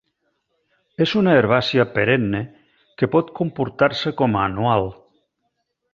És una herbàcia perenne que pot comportar-se com a anual.